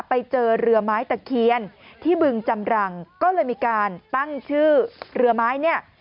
ไปเจอเรือไม้ตะเคียนที่บึงจำรังก็เลยมีการตั้งชื่อเรือไม้เนี่ย